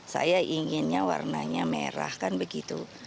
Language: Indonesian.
saya inginnya warnanya merah kan begitu